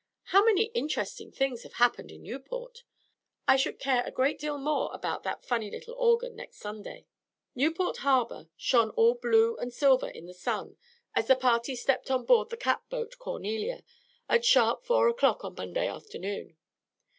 How many interesting things have happened in Newport! I shall care a great deal more about that funny little organ, next Sunday." Newport Harbor shone all blue and silver in the sun, as the party stepped on board the cat boat "Cornelia" at sharp four on Monday afternoon.